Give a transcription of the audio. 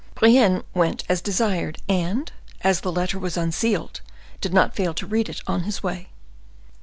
Brienne went as desired, and, as the letter was unsealed, did not fail to read it on his way.